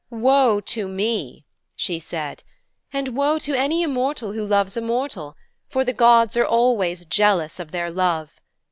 'Woe to me,' she said, 'and woe to any immortal who loves a mortal, for the gods are always jealous of their love.